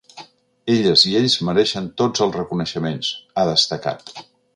“Elles i ells mereixen tots els reconeixements”, ha destacat.